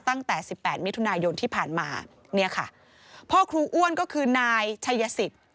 ตั้งแต่สิบแปดมิถุนายนที่ผ่านมาเนี่ยค่ะพ่อครูอ้วนก็คือนายชัยสิทธิ์